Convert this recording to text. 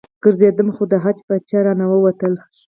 ګرځېدم خو د حج پچه رانه ووتله.